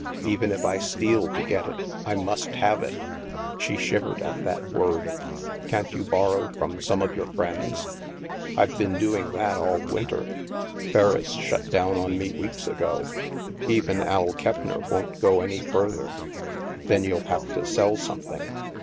Even if I steal to get it, I must have it." She shivered at that word. " Can't you borrow from some of your friends? "" I've been doing that all winter. Ferriss shut down on me weeks ago. Even Al Keppner won't go any further." " Then you'll have to sell something.